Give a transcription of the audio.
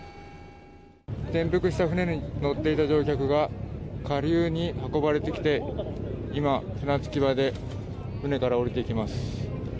転覆した船に乗っていた乗客が下流に運ばれてきて今、船着き場で船から降りていきます。